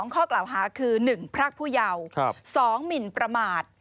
ข้อกล่าวหาคือ๑พรากผู้เยาว์๒หมินประมาท